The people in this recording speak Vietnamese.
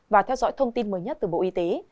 và theo dõi thông tin mới nhất từ bộ y tế